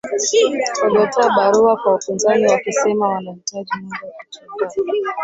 Walitoa barua kwa upinzani wakisema wanahitaji muda kujiandaa